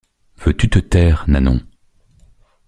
Veux-tu te taire, Nanon!